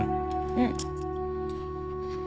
うん。